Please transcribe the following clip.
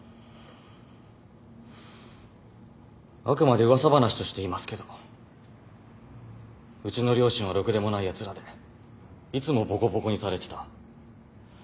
あくまで噂話として言いますけどうちの両親はろくでもないやつらでいつもボコボコにされてた。